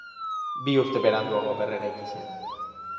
Bi urte beranduago berreraiki zen.